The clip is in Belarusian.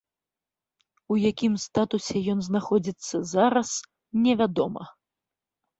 У якім статусе ён знаходзіцца зараз, невядома.